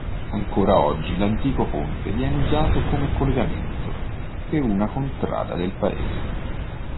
Ancora oggi l'antico ponte viene usato come collegamento per una contrada del paese.